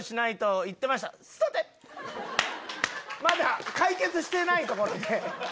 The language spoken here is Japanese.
まだ解決してないところで。